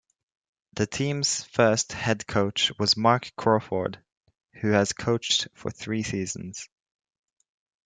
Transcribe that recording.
The team's first head coach was Marc Crawford, who has coached for three seasons.